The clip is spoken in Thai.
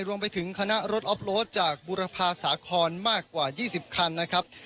รวมไปถึงคณะรถออฟโลดจากบุรพาสาครมากกว่า๒๐คันนะครับ